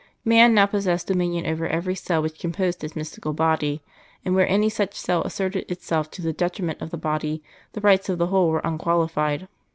Man now possessed dominion over every cell which composed His Mystical Body, and where any such cell asserted itself to the detriment of the Body, the rights of the whole were unqualified.